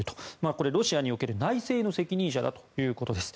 これはロシアにおける内政の責任者だということです。